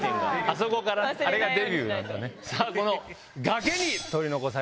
あそこからあれがデビューなんだ。